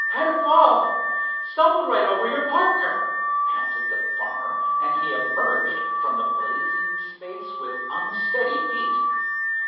"Had a fall—stumbled right over your partner," panted the farmer, and he emerged from the blazing space with unsteady feet.